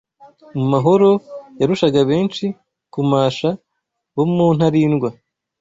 muhororo yarushaga benshi kumasha bo mu Ntarindwa